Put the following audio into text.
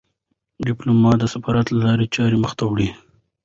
ډيپلومات د سفارت له لارې چارې مخ ته وړي.